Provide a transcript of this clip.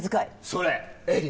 それエリ。